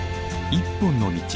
「一本の道」。